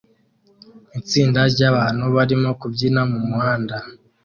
Itsinda ryabantu barimo kubyina mumuhanda